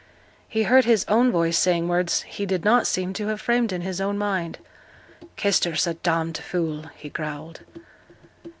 He heard his own voice saying words he did not seem to have framed in his own mind. 'Kester's a d d fool,' he growled.